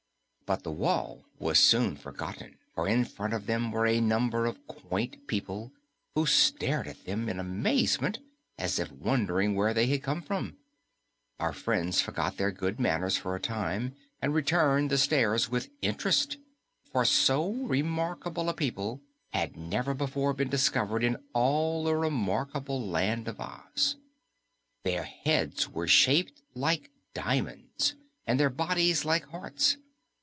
But the wall was soon forgotten, for in front of them were a number of quaint people who stared at them in amazement as if wondering where they had come from. Our friends forgot their good manners for a time and returned the stares with interest, for so remarkable a people had never before been discovered in all the remarkable Land of Oz. Their heads were shaped like diamonds, and their bodies like hearts.